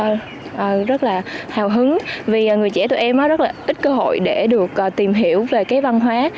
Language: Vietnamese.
em cảm thấy rất là hào hứng vì người trẻ tụi em rất là ít cơ hội để được tìm hiểu về cái văn hóa